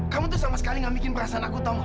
kamu tuh sama sekali nggak bikin perasaan aku tau nggak